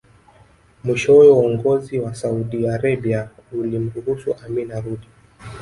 Mwishowe uongozi wa Saudi Arabia ulimruhusu Amin arudi